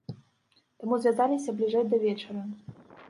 Таму звязаліся бліжэй да вячэры.